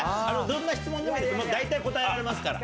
どんな質問でも大体答えられますから。